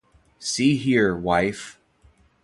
See here, wife!